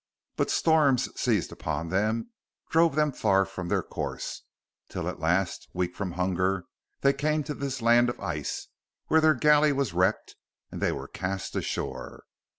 But storms seized upon them, drove them far from their course, till at last, weak from hunger, they came to this land of ice, where their galley was wrecked and they were cast ashore.